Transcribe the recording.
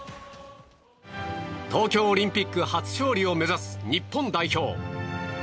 東京オリンピック初勝利を目指す日本代表。